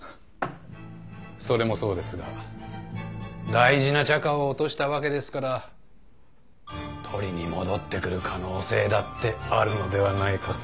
それもそうですが大事なチャカを落としたわけですから取りに戻ってくる可能性だってあるのではないかと。